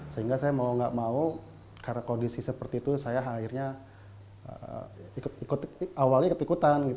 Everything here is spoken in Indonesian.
sehingga saya mau gak mau karena kondisi seperti itu saya akhirnya awalnya ketikutan